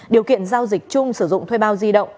điều kiện giao dịch chung sử dụng thuê bao di động